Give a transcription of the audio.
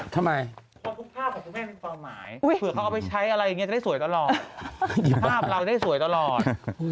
ตอนนี้ก็ไม่ต้องสวยตลอดนาง